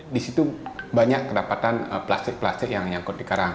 di situ banyak kedapatan plastik plastik yang nyangkut di karang